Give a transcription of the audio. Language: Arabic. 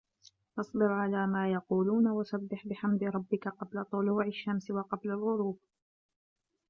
فَاصبِر عَلى ما يَقولونَ وَسَبِّح بِحَمدِ رَبِّكَ قَبلَ طُلوعِ الشَّمسِ وَقَبلَ الغُروبِ